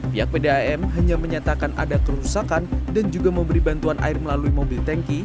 pihak pdam hanya menyatakan ada kerusakan dan juga memberi bantuan air melalui mobil tanki